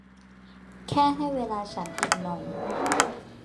แค่ให้เวลาฉันอีกหน่อย